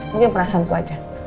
mungkin perasaanku aja